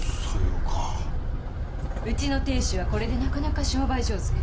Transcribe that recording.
うちの亭主はこれでなかなか商売上手。